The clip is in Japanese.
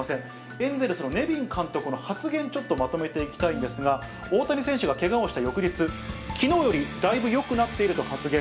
エンゼルスのネビン監督の発言、ちょっとまとめていきたいんですが、大谷選手がけがをした翌日、きのうよりだいぶよくなっていると発言。